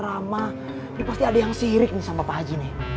ini pasti ada yang sirik sama pak haji nih